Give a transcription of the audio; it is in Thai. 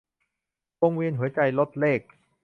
วงเวียนหัวใจ - รจเรข